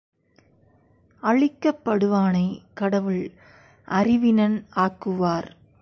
அழிக்கப் படுவானைக் கடவுள் அறிவினன் ஆக்குவார்.